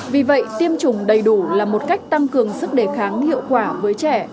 vì vậy tiêm chủng đầy đủ là một cách tăng cường sức đề kháng hiệu quả với trẻ